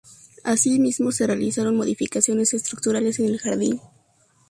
Asimismo, se realizaron modificaciones estructurales en el jardín.